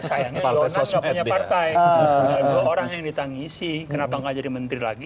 sayangnya luar biasa punya partai orang yang ditangisi kenapa ngajarin menteri lagi